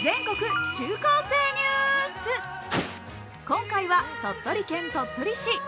今回は鳥取県鳥取市。